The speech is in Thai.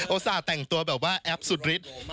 ส่าห์แต่งตัวแบบว่าแอปสุดฤทธิ์